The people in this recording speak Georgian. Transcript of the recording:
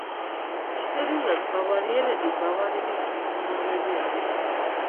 ისტორიულად ბავარიელები ბავარების შთამომავლები არიან.